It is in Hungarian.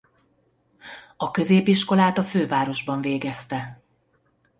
A középiskolát a fővárosban végezte.